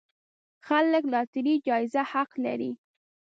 خلک لاټرۍ جايزه حق لري.